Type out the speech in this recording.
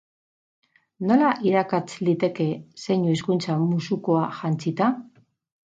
Nola irakats liteke zeinu hizkuntza musukoa jantzita?